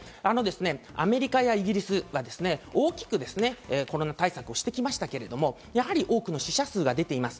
アメリカやイギリスは大きくコロナ対策をしてきましたけど、やはり多くの死者数が出ています。